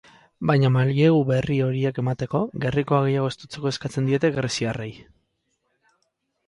Baina mailegu berri horiek emateko, gerrikoa gehiago estutzeko eskatzen diete greziarrei.